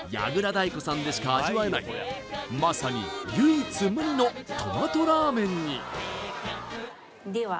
太鼓さんでしか味わえないまさに唯一無二のトマトラーメンにでは